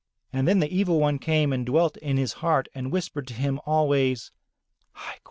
Ah, then the evil one came and dwelt in his heart and whispered to him always, "Hai quai!